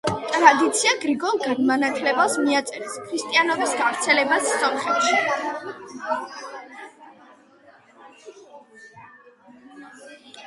ტრადიცია გრიგოლ განმანათლებელს მიაწერეს ქრისტიანობის გავრცელებას სომხეთში.